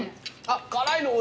あっ辛いの。